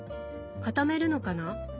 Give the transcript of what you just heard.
固めるのかな？